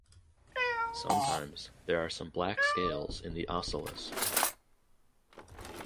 Sometimes there are some black scales in the ocellus.